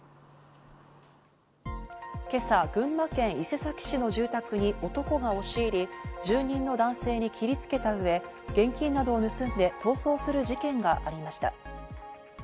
今朝、群馬県伊勢崎市の住宅に男が押し入り、住人の男性に切りつけたうえ、現金などを盗んで逃走する事件がありました。